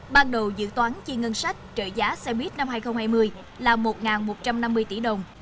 ban đầu dự toán chi ngân sách trợ giá xe buýt năm hai nghìn hai mươi là một một trăm năm mươi tỷ đồng